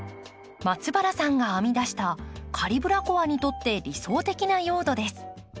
松原さんが編み出したカリブラコアにとって理想的な用土です。